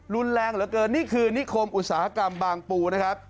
รุนแรงเหลือเกินนี่คือนิคมอุตสาหกรรมบางปูนะครับ